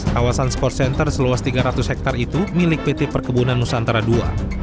kawasan sports center seluas tiga ratus hektare itu milik pt perkebunan nusantara ii